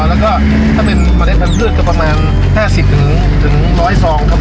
แล้วก็ถ้าเป็นเมล็ดพันธุ์ก็ประมาณ๕๐๑๐๐ซองครับ